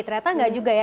ternyata tidak juga ya